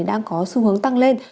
đang có xu hướng tăng lên